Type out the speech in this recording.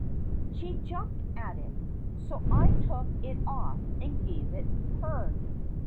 She jumped at it, so I took it off and gave it her."